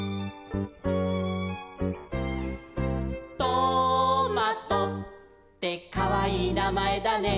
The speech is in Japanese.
「トマトってかわいいなまえだね」